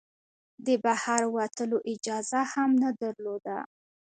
د بهر وتلو اجازه هم نه درلوده.